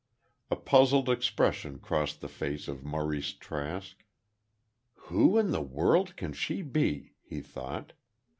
A puzzled expression crossed the face of Maurice Trask. "Who in the world can she be?" he thought.